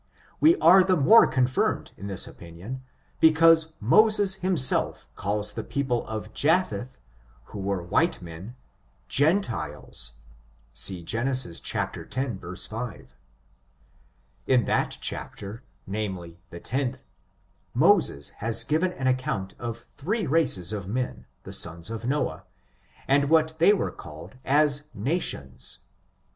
We are the more confirmed in this opinion, because Mo ses himself calls the people of Japheth, who were white men, gentiles. See Genesis x, 5. In that chapter, namely, the lOlh, Moses has given an account of three races of men, the sons of Noah, and what they were called as nations.